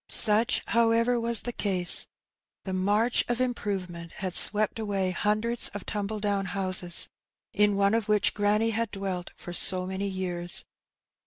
Such, however, was the case. The march of improvement had swept away hundreds of tumble down houses, in one of which granny had dwelt for so many years.